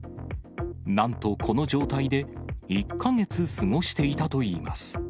なんと、この状態で１か月過ごしていたといいます。